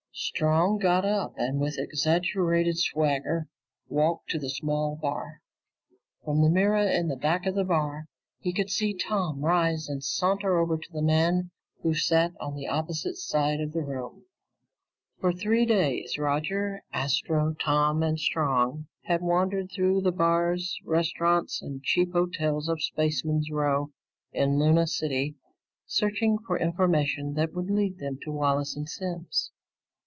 Strong got up and with an exaggerated swagger walked to the small bar. From the mirror in back of the bar, he could see Tom rise and saunter over to the man who sat on the opposite side of the room. For three days, Roger, Astro, Tom, and Strong had wandered through the bars, restaurants, and cheap hotels of Spaceman's Row in Luna City searching for information that would lead them to Wallace and Simms.